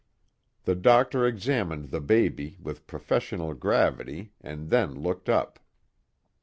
The doctor examined the baby with professional gravity and then looked up.